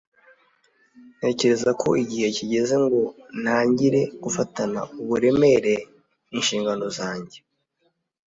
ntekereza ko igihe kigeze ngo ntangire gufatana uburemere inshingano zanjye